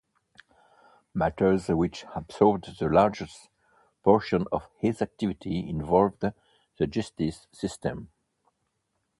Matters which absorbed the largest proportion of his activity involved the justice system.